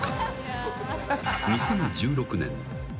［２０１６年］